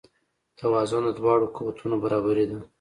توازن د دواړو قوتونو برابري ده.